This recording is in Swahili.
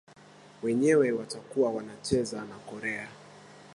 wenyewe watakuwa wanacheza na korea